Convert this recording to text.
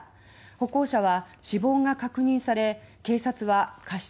歩行者は死亡が確認され警察は過失